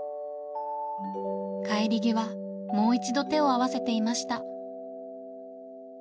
帰り際、もう一度手を合わせていました。